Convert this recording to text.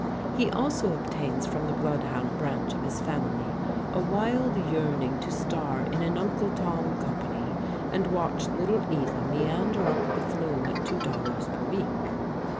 He also obtains from the bloodhound branch of his family a wild yearning to star in an "Uncle Tom" company, and watch little Eva meander up the flume at two dollars per week.